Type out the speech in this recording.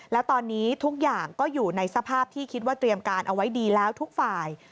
แล้วตอนนี้ทุกอย่างก็อยู่ในสภาพที่คิดว่าเตรียมการเอาไว้ดีแล้วทุกฝ่าย